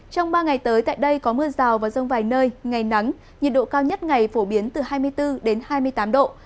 trong ba ngày tới tại đây có mưa rào và rông vài nơi ngày nắng nhiệt độ cao nhất ngày phổ biến từ hai mươi bốn hai mươi tám độ